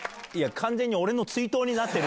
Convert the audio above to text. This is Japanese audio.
完全に俺の追悼になってる。